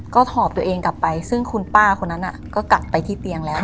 ก็ถอบตัวเองกลับไปซึ่งคุณป้าคนนั้นก็กลับไปที่เตียงแล้ว